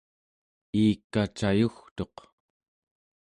iika cayugtuq